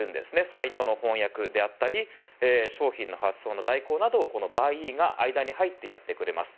サイトの翻訳であったり商品の発送の代行などをこのＢｕｙｅｅが間に入ってやってくれます。